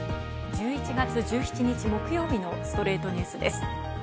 １１月１７日、木曜日の『ストレイトニュース』です。